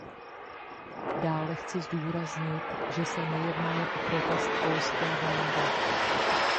Dále chci zdůraznit, že se nejednalo o protest polské vlády.